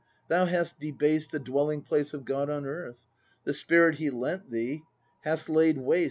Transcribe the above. Thou hast debased The dwelling place of God on earth. The spirit He lent thee hast laid waste.